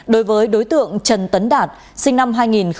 đối với đối tượng trần tấn đạt sinh năm hai nghìn